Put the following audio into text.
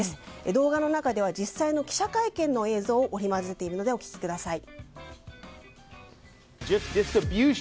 動画の中では実際の記者会見の映像を織り交ぜているのでお聞きください。